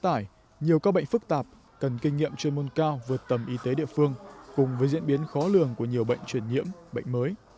trong thời gian qua nhiều các bệnh phức tạp cần kinh nghiệm chuyên môn cao vượt tầm y tế địa phương cùng với diễn biến khó lường của nhiều bệnh truyền nhiễm bệnh mới